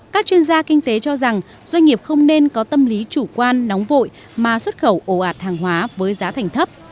các chuyên gia kinh tế cho rằng doanh nghiệp không nên có tâm lý chủ quan nóng vội mà xuất khẩu ồ ạt hàng hóa với giá thành thấp